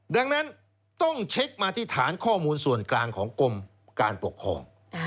ดังนั้นต้องเช็คมาที่ฐานข้อมูลส่วนกลางของกรมการปกครอง